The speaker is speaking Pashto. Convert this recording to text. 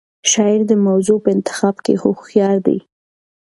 شاعر د موضوع په انتخاب کې هوښیار دی.